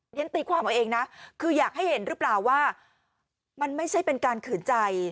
ฉันตีความเอาเองนะคืออยากให้เห็นหรือเปล่าว่ามันไม่ใช่เป็นการขืนใจ